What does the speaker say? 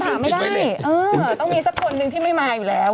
อ่องั้นตอบคำถามไม่ได้ต้องมีสักคนหนึ่งที่ไม่มาอยู่แล้ว